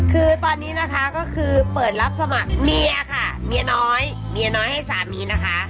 คือตอนนี้นะคะก็คือเปิดรับสมัครเมียค่ะเมียน้อยเมียน้อยให้สามีนะคะ